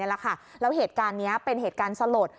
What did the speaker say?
แล้วเหตุการณ์นี้เป็นเหตุการณ์สลด